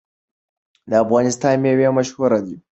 د افغانستان میوه مشهوره ده.